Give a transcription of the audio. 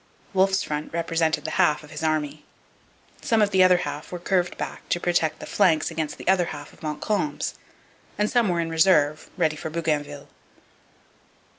Wolfe's front represented the half of his army. Some of the other half were curved back to protect the flanks against the other half of Montcalm's; and some were in reserve, ready for Bougainville.